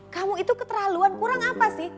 kamu itu keterlaluan kurang apa sih